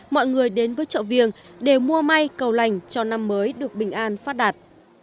mọi người đến với chợ viềng đều mua may cầu lành cho năm mới được bình an phát đạt